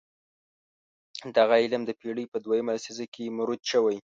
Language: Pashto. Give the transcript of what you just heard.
دغه علم د پېړۍ په دویمه لسیزه کې مروج شوی.